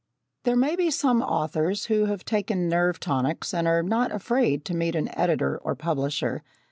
There may be some authors who have taken nerve tonics and are not afraid to meet an editor or publisher.